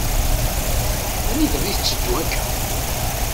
Anida i tetteddu akka?